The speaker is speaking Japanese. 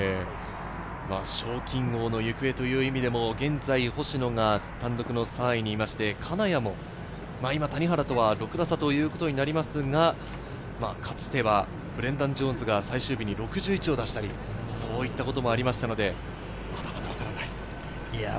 賞金王の行方という意味でも現在、星野が単独の３位にいまして、金谷も今、谷原とは６打差ということになりますが、かつてはブレンダン・ジョーンズが最終日に６１を出したり、そういったこともありましたので、まだまだ分からない。